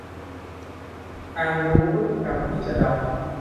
การรู้พฤติกรรมที่จะเดา